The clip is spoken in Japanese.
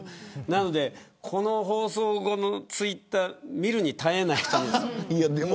なので、この放送後のツイッター見るに耐えないと思うんです。